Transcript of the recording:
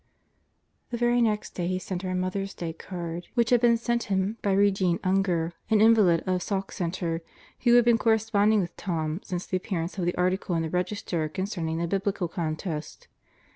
... The very next day he sent her a Mother's Day card, which had been sent him by Regene linger, an invalid of Sauk Center, who had been corresponding with Tom since the appearance of the article in the Register concerning the Biblical Contest.